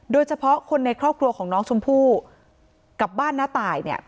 โดยเฉพาะคนในครอบครัวของน้องชมพู่กับบ้านน้าตายเนี่ย